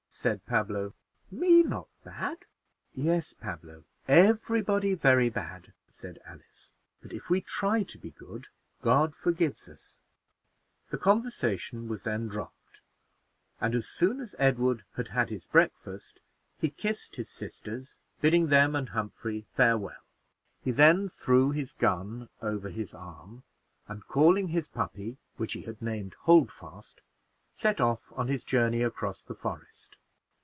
said Pablo; "me not bad." "Yes, Pablo, every body very bad," said Alice; "but if we try to be good, God forgives us." The conversation was then dropped, and as soon as Edward had made his breakfast, he kissed his sisters, and wished Humphrey farewell. Edward threw his gun over his arm, and calling his puppy, which he had named Holdfast, bade Humphrey and his sisters farewell, and set off on his journey across the forest.